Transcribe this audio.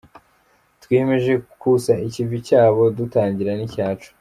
Twiyemeje kusa ikivi cyabo dutangira n’icyacu.